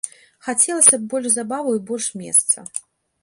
Хацелася б больш забаваў і больш месца.